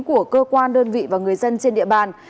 của cơ quan đơn vị và người dân trên địa bàn